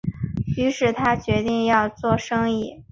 於是他决定要做生意